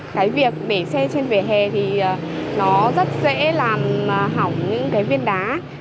cái việc để xe trên vỉa hè thì nó rất dễ làm hỏng những cái viên đá